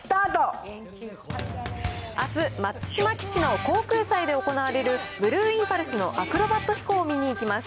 あす、松島基地の航空祭で行われるブルーインパルスのアクロバット飛行を見に行きます。